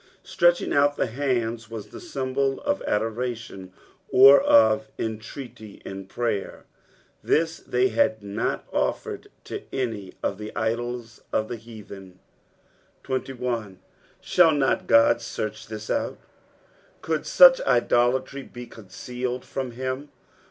Stretching out the hands was the symbol of adoralion or of entreaty in prayer ; this they had not offered ta any of the idola of the heatlten. 31. "Shah not God uarch thii outf" Could such idolatry be concealed from him